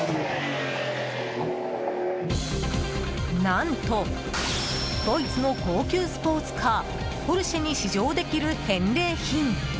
何とドイツの高級スポーツカーポルシェに試乗できる返礼品。